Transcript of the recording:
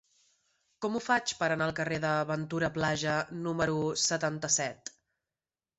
Com ho faig per anar al carrer de Ventura Plaja número setanta-set?